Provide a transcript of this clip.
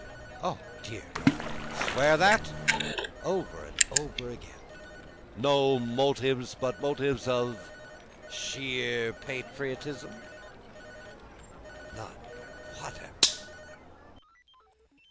Oh dear no. Swear that? Over and over again. No motives but motives of sheer patriotism? None whatever.